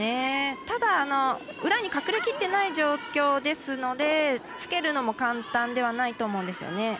ただ、裏に隠れきってない状況ですのでつけるのも簡単ではないと思うんですよね。